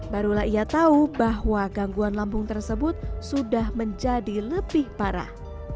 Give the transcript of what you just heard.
barulah ia tahu bahwa gangguan lambung tersebut sudah menjadi lebih parah